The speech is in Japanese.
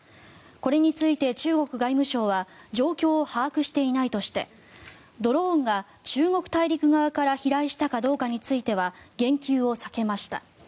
これについて中国外務省は状況を把握していないとしてドローンが中国大陸側から飛来したかどうかについては言及を避けました。